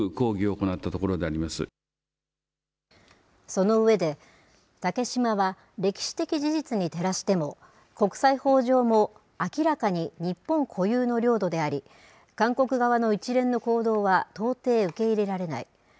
その上で、竹島は歴史的事実に照らしても、国際法上も、明らかに日本固有の領土であり、韓国側の一連の行動は到底受け入れられない。